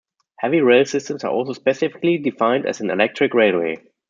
Heavy rail systems are also specifically defined as an "electric railway".